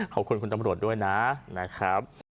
ขอบคุณคุณตำรวจด้วยนะครับ